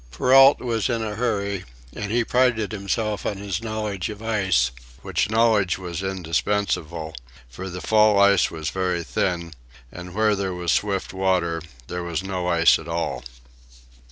Perrault was in a hurry, and he prided himself on his knowledge of ice, which knowledge was indispensable, for the fall ice was very thin, and where there was swift water, there was no ice at all.